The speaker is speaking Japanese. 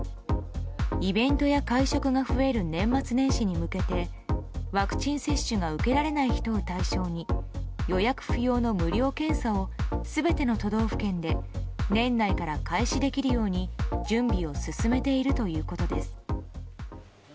イベントや会食が増える年末年始に向けてワクチン接種が受けられない人を対象に予約不要の無料検査を全ての都道府県で年内から開始できるように準備を進めているということです。